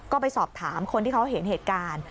ก็ไปสอบถามคนที่เขาเห็นเหตุการณ์